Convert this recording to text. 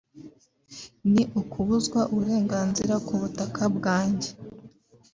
ni ukubuzwa uburenganzira ku butaka bwanjye